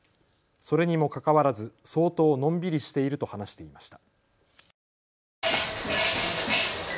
それにもかかわらず相当のんびりしていると話していました。